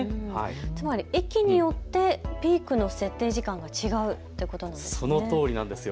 つまり駅によってピークの設定時間、違うということなんですね。